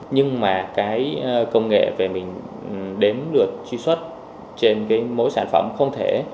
nhưng mà cái công nghệ về mình đếm được truy xuất trên cái mỗi sản phẩm không thể